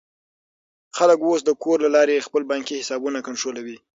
خلک اوس د کور له لارې خپل بانکي حسابونه کنټرولوي.